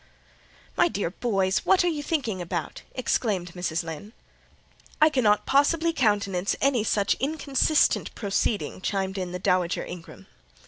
"My dear boys, what are you thinking about?" exclaimed Mrs. Lynn. "I cannot possibly countenance any such inconsistent proceeding," chimed in the Dowager Ingram.